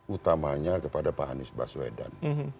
utamanya kepada pak anies baswedan